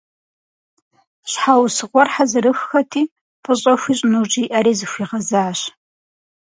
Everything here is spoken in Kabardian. Щхьэусыгъуэр хьэзырыххэти, фӏыщӏэ хуищӏыну жиӏэри, зыхуигъэзащ.